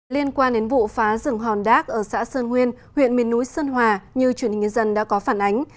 liên quan đến vụ phá rừng hòn đác ở xã sơn nguyên huyện miền núi sơn hòa như truyền hình nhân dân đã có phản ánh